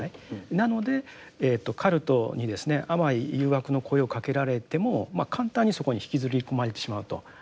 なのでカルトにですね甘い誘惑の声をかけられても簡単にそこに引きずり込まれてしまうと。